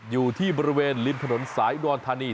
อยู่ที่บริเวณริมถนนสายอุดรธานี